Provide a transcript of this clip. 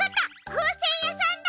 ふうせんやさんだ！